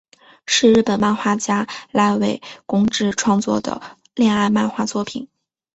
是日本漫画家濑尾公治创作的恋爱漫画作品。